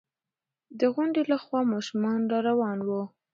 د غونډۍ له خوا ماشومان را روان وو.